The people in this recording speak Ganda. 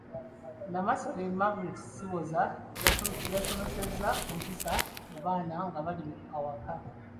Namasole Margaret Siwoza yasomesezza ku mpisa mu baana nga bali awaka.